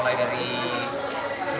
mulai dari telus opi opi terus kemudian